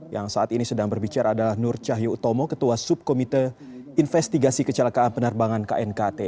yang saat ini sedang berbicara adalah nur cahyo utomo ketua subkomite investigasi kecelakaan penerbangan knkt